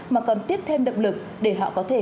mà còn tiếp thêm động lực để họ có thể